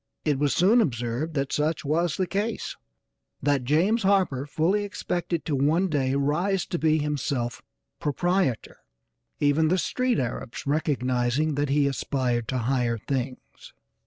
It was soon observed that such was the case; that James Harper fully expected to one day rise to be himself proprietor; even the street Arabs recognizing that he aspired to higher things.